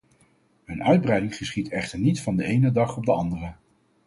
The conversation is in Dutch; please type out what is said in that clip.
Een uitbreiding geschiedt echter niet van de ene dag op de andere.